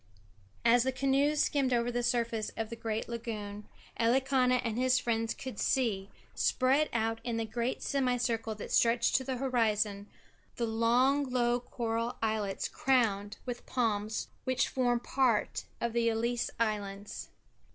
As the canoes skimmed over the surface of the great lagoon Elikana and his friends could see, spread out in a great semi circle that stretched to the horizon, the long low coral islets crowned with palms which form part of the Ellice Islands.